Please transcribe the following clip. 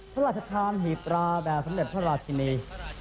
ทรัฐชธรรมหีบตราแด่สำเด็ดพระราชชินี